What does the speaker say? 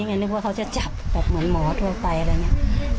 นึกว่าเขาจะจับแบบเหมือนหมอทั่วไปอะไรอย่างนี้